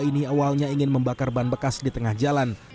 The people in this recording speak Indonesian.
ini awalnya ingin membakar ban bekas di tengah jalan